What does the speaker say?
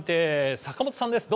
坂元さんです。